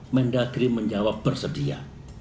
mendagri menjawab bersedia